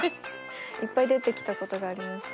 いっぱい出て来たことがあります。